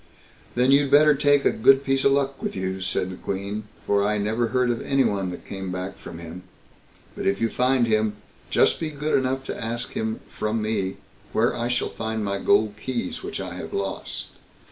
"Then you'd better take a good piece of luck with you", said the Queen, "for I never heard of any one that came back from him. But if you find him, just be good enough to ask him from me where I shall find my gold keys which I have lost."